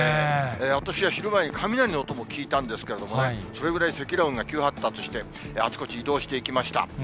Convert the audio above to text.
私は昼前に雷の音も聞いたんですけれどもね、それぐらい積乱雲が急発達して、あちこち移動していきました。